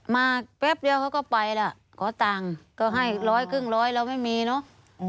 แป๊บเดียวเขาก็ไปล่ะขอตังค์ก็ให้ร้อยครึ่งร้อยเราไม่มีเนอะ